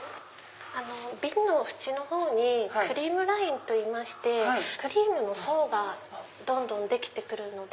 瓶の縁のほうにクリームラインといいましてクリームの層がどんどんできて来るので。